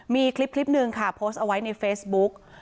มีคลิปหนึ่งค่ะโพสต์เอาไว้ในเฟซบุ๊ก